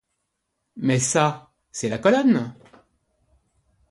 Mais ça, c'est la colonne.